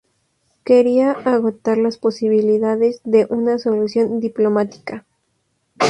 Quería agotar las posibilidades de una solución diplomática.